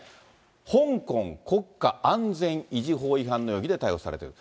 香港国家安全維持法違反の容疑で逮捕されていると。